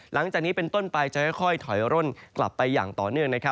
หลังจากนี้เป็นต้นไปจะค่อยถอยร่นกลับไปอย่างต่อเนื่อง